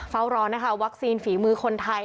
เฝ้ารอนะคะวัคซีนฝีมือคนไทย